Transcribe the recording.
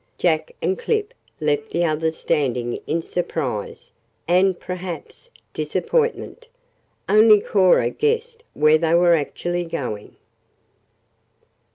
Jack and Clip left the others standing in surprise and, perhaps, disappointment. Only Cora guessed where they were actually going.